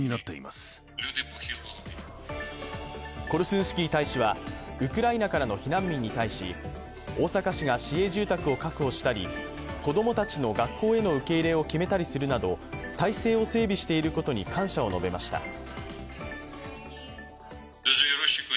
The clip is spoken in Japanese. コルスンスキー大使はウクライナからの避難民に対し、大阪市が市営住宅を確保したり、子供たちの学校への受け入れを決めたりするなど体制を整備していることに感謝を述べました。